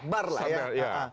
set bar lah ya